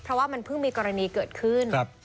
เพราะว่ามันเพิ่งมีกรณีเกิดขึ้น